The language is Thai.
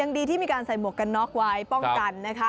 ดีที่มีการใส่หมวกกันน็อกไว้ป้องกันนะคะ